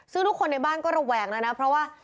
ซึ่งทุกคนในบ้านก็ระแวงแล้วนะเพราะว่า